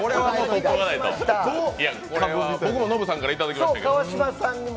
僕もノブさんからいただきましたけれども。